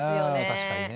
確かにね。